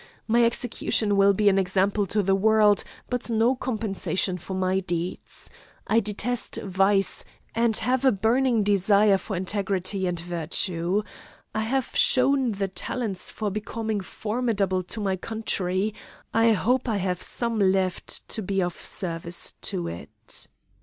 My execution will be an example to the world, but no compensation for my deeds. I detest vice, and have a burning desire for integrity and virtue. I have shown the talents for becoming formidable to my country I hope I have some left to be of service to it.